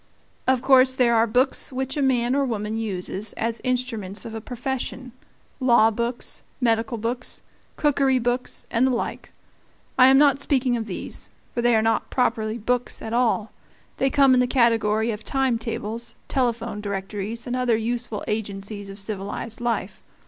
Of course there are books which a man or woman uses as instruments of a profession law books, medical books, cookery books, and the like. I am not speaking of these, for they are not properly "books" at all; they come in the category of time tables, telephone directories, and other useful agencies of civilized life.